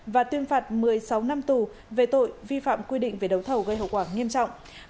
và tuyên phạt một mươi sáu năm tù về tội vi phạm quy định về đấu thầu gây hậu quả nghiêm trọng